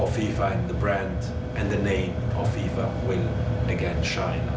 ชีวิตของทุกคนทุกคนที่ชอบกลางหน้า